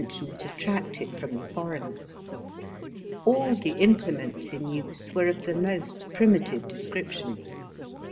239 tion it attracted from the foreigners. All tlie implements in use were of the most primitive description.